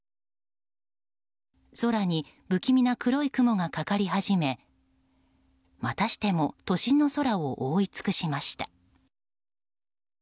空に不気味な黒い雲がかかり始めまたしても都心の空を覆い尽くしました。